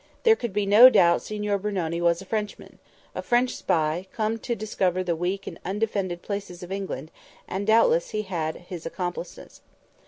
There could be no doubt Signor Brunoni was a Frenchman—a French spy come to discover the weak and undefended places of England, and doubtless he had his accomplices.